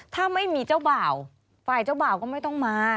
ถ้าไม่มีเจ้าบ่าวฝ่ายเจ้าบ่าวก็ไม่ต้องมา